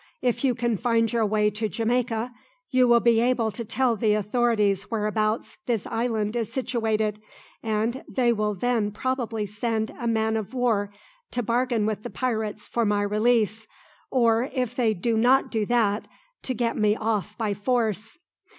If you can find your way to Jamaica, you will be able to tell the authorities whereabouts this island is situated, and they will then probably send a man of war to bargain with the pirates for my release, or if they will not do that, to get me off by force."